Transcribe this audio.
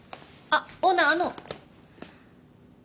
あっオーナーあの。